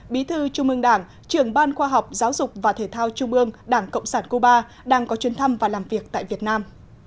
bí thư trung ương đảng trưởng ban khoa học giáo dục và thể thao trung ương đảng cộng sản cuba đang có chuyến thăm và làm việc tại việt nam